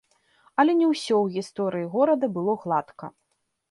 Але не ўсе ў гісторыі горада было гладка.